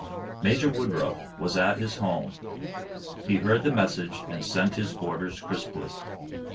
Major Woodruff was at his home. He heard the message and sent his orders crisply.